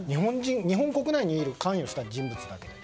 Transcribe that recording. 日本国内に関与した人物だけで。